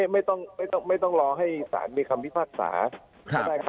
ไม่ได้ครับไม่ต้องรอให้บริษัทมีคำวิภาคศาสตร์